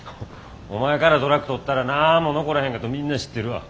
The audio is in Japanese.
お前からトラックとったらなんも残らへんことみんな知ってるわ。